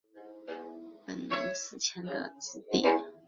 京都所司代村井贞胜则夜宿于本能寺前的自邸。